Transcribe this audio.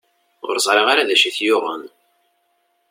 Ur ẓriɣ ara d acu i t-yuɣen.